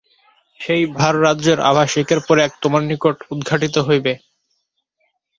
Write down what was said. সেই ভাররাজ্যের আভাস একের পর এক তোমার নিকট উদ্ঘাটিত হইবে।